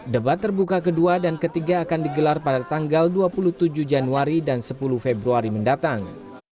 debat terbuka kedua dan ketiga akan digelar pada tanggal dua puluh tujuh januari dan sepuluh februari mendatang